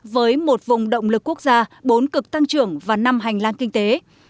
với một vùng động lực quốc gia bốn cực tăng trưởng và năm hành lang kinh tế